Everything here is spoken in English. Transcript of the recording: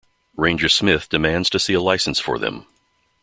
Ranger Smith demands to see a license for them.